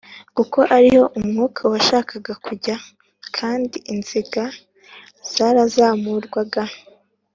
kuko ari ho umwuka washakaga kujya kandi inziga zarazamurwaga